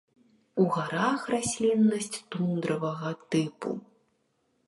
У гарах расліннасць тундравага тыпу.